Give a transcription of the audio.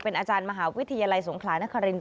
อาจารย์มหาวิทยาลัยสงขลานคริน